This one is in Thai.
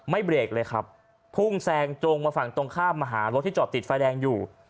เบรกเลยครับพุ่งแซงจงมาฝั่งตรงข้ามมาหารถที่จอดติดไฟแดงอยู่